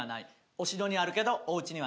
お城にはあるけどおうちにはない。